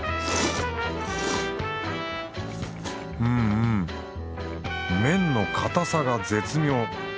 うんうん麺の硬さが絶妙。